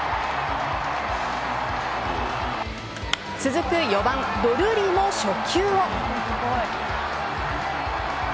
続く４番・ドルーリーも初球を。